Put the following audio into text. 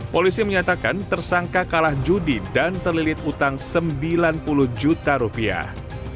polisi menyatakan tersangka kalah judi dan terlilit utang sembilan puluh juta rupiah